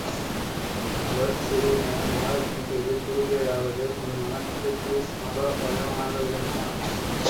அவர் சிறிது நேரம் ஆலோசனை செய்து கூறியதாவது உன் மகன் ஹெர்க்குலிஸ் மகா வல்லவனாக விளங்குவான்.